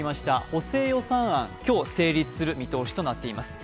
補正予算案、今日、成立する見通しとなっています。